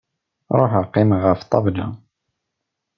Ruḥeɣ qqimeɣ ɣef ṭṭabla.